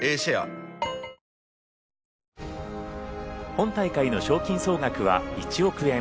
本大会の賞金総額は１億円。